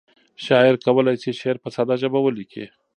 شاعر کولی شي شعر په ساده ژبه ولیکي.